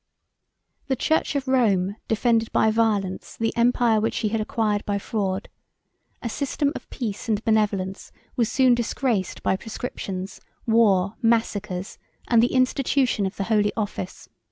The church of Rome defended by violence the empire which she had acquired by fraud; a system of peace and benevolence was soon disgraced by proscriptions, war, massacres, and the institution of the holy office.